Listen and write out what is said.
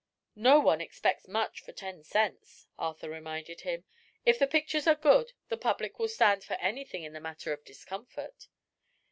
"No one expects much for ten cents," Arthur reminded him. "If the pictures are good the public will stand for anything in the matter of discomfort."